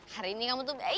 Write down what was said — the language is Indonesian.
hari ini kamu tuh baik banget